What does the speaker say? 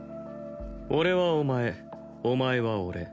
俺はお前お前は俺。